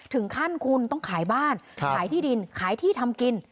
ถึงขั้นคุณต้องขายบ้านขายที่ดินขายที่ทำกิน